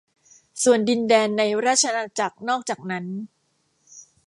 ส่วนดินแดนในราชอาณาจักรนอกจากนั้น